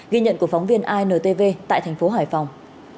ghi nhận của phóng viên intv tại thành phố hải phòng